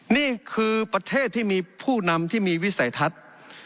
นี่คือประเทศที่มีผู้นำที่มีวิสัยทัศน์